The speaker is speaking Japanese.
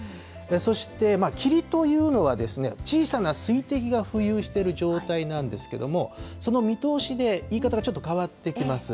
そして霧というのは、小さな水滴が浮遊している状態なんですけども、その見通しで、言い方がちょっと変わってきます。